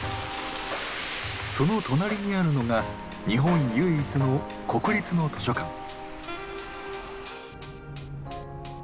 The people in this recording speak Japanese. その隣にあるのが日本唯一の国立の図書館。